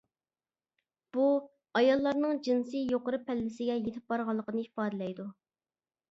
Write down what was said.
بۇ-ئاياللارنىڭ جىنسىي يۇقىرى پەللىسىگە يېتىپ بارغانلىقىنى ئىپادىلەيدۇ.